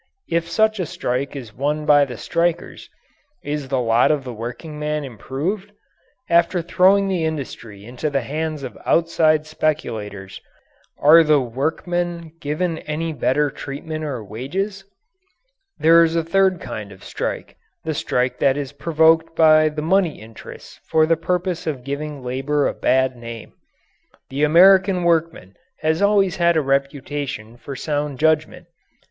If such a strike is won by the strikers, is the lot of the workingman improved? After throwing the industry into the hands of outside speculators, are the workmen given any better treatment or wages? There is a third kind of strike the strike that is provoked by the money interests for the purpose of giving labour a bad name. The American workman has always had a reputation for sound judgment.